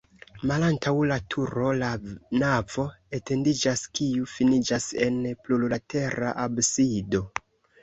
Malantaŭ la turo la navo etendiĝas, kiu finiĝas en plurlatera absido.